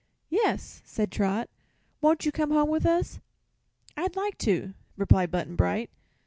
"Yes," said Trot. "Won't you come home with us?" "I'd like to," replied Button Bright.